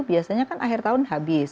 biasanya kan akhir tahun habis